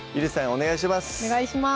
お願いします